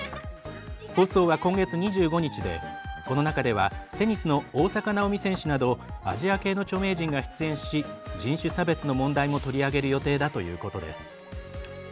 放送は今月２５日でこの中ではテニスの大坂なおみ選手などアジア系の著名人が出演し人種差別の問題も取り上げる予定だということです。